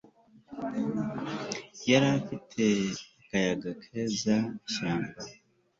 Yari afite akayaga keza ishyamba